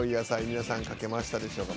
皆さん書けましたでしょうか？